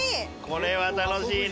これは楽しいね。